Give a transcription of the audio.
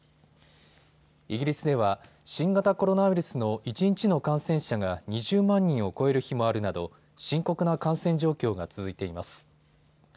イギリスでは新型コロナウイルスの一日の感染者が２０万人を超える日もあるなど深刻な感染状況が続いています。